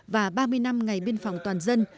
và ba mươi năm ngày biên phòng toàn dân